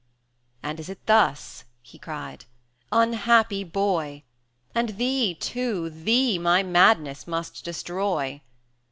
"And is it thus?" he cried, "unhappy boy! And thee, too, thee my madness must destroy!"